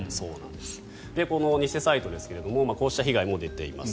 偽サイトですがこうした被害も出ています。